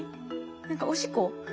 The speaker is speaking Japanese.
何かおしっこ？